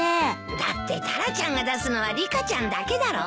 だってタラちゃんが出すのはリカちゃんだけだろう？